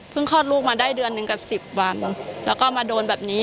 เพิ่งคลอดลูกมาได้เดือน๑กับ๑๐วันแล้วก็มาโดนแบบนี้